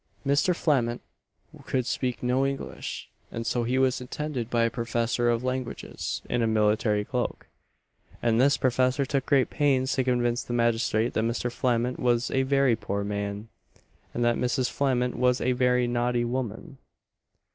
Mr. Flament could speak no English, and so he was attended by a "professor of languages" in a military cloak; and this professor took great pains to convince the magistrate that Mr. Flament was a very poor man, and that Mrs. Flament was a very naughty woman.